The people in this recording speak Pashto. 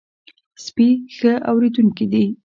سپي ښه اورېدونکي دي.